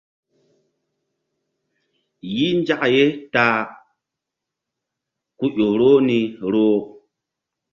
Yih nzak ye ta a ku ƴo roh ni roh.